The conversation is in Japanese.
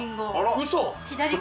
ウソ！